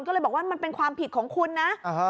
ก็เลยบอกว่ามันเป็นความผิดของคุณนะ